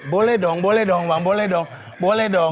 boleh dong boleh dong bang boleh dong boleh dong